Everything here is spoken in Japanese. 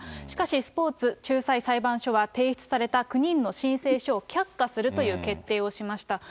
しかし、スポーツ仲裁裁判所は提出された９人の申請書を却下するという決定をしました。